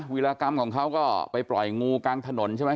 วิรากรรมของเขาก็ไปปล่อยงูกลางถนนใช่ไหม